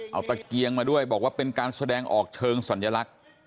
เอาตะเกียงมาด้วยบอกว่าเป็นการแสดงออกเชิงสัญลักษณ์